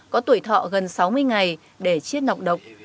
có tuổi thọ gần sáu mươi ngày để chiết nọc độc